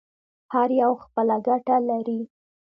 هر یو خپله ګټه لري.